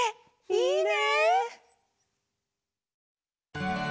いいね！